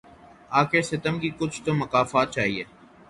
آخر ستم کی کچھ تو مکافات چاہیے